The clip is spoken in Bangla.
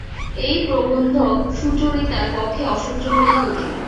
এই প্রবন্ধ সুচরিতার পক্ষে অসহ্য হইয়া উঠিল।